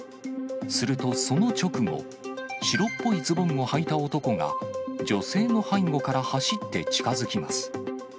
するとその直後、白っぽいズボンをはいた男が、女性の背後から走って近づきます。